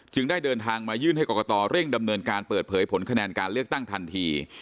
ได้เดินทางมายื่นให้กรกตเร่งดำเนินการเปิดเผยผลคะแนนการเลือกตั้งทันที